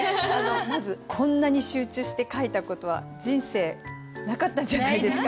まずこんなに集中して書いた事は人生なかったんじゃないですか？